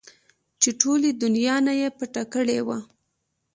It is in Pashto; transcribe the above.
چې ټولې دونيا نه يې پټه کړې وه.